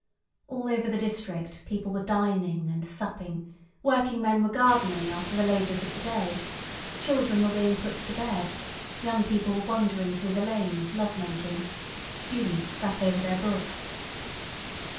All over the district people were dining and supping; working men were gardening after the labours of the day, children were being put to bed, young people were wandering through the lanes love making, students sat over their books.